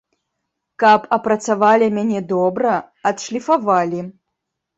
Каб апрацавалі мяне добра, адшліфавалі.